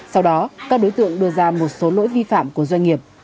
sau đó các đối tượng đưa ra một số lỗi vi phạm của doanh nghiệp